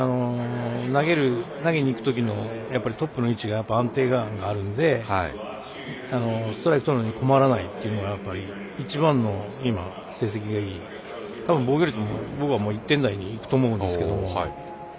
投げにいくときのトップの位置が安定があるのでストライクとるのに困らないというのが一番の成績がいい、防御率も僕は１点台にいくと思うんですけど。